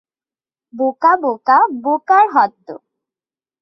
বোকা, বোকা, বোকার হদ্দ।